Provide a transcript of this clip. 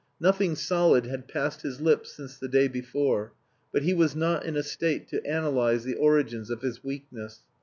Nothing solid had passed his lips since the day before, but he was not in a state to analyse the origins of his weakness.